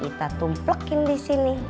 kita tumplekin di sini